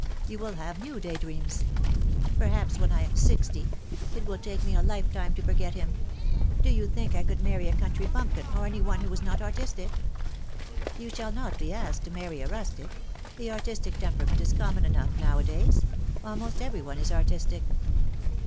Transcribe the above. You will have new day dreams." " Perhaps when I am sixty. It will take me a lifetime to forget him. Do you think I could marry a country bumpkin, or any one who was not artistic ?"" You shall not be asked to marry a rustic. The artistic temperament is common enough nowadays. Almost every one is artistic."